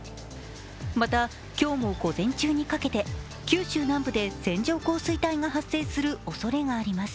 また、今日も午前中にかけて九州南部で線状降水帯が発生するおそれがあります。